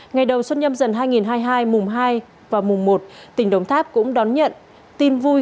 ngày đầu xuân nhâm dần hai nghìn hai mươi hai mùng hai và mùng một tỉnh đồng tháp cũng đón nhận tin vui